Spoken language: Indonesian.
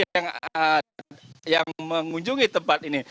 yang mengunjungi tempat ini